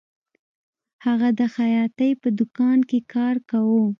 هغه د خیاطۍ په دکان کې کار کاوه